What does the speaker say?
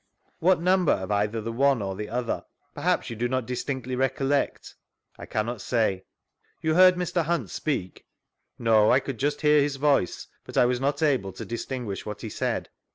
What number of either the one or the other? Perhaps you do not distinctly recollect ?— I cannot say. You heard Mr. Hunt speak?— No, I could just hear his voice, but I was not able to distinguish what h'e said.